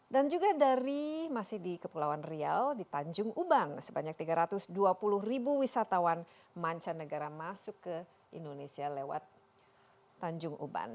dan juga dari masih di kepulauan riau di tanjung ubang sebanyak tiga ratus dua puluh wisatawan mancanegara masuk ke indonesia lewat tanjung ubang